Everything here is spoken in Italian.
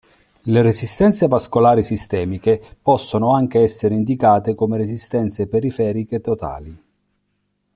Le resistenze vascolari sistemiche possono anche essere indicate come resistenze periferiche totali.